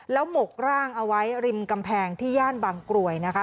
แล้วหมกร่างเอาไว้ริมกำแพงที่ย่านบางกรวยนะคะ